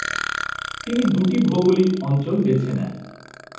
তিনি দুটি ভৌগোলিক অঞ্চল বেছে নেন।